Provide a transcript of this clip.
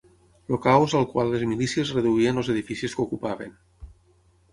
El caos al qual les milícies reduïen els edificis que ocupaven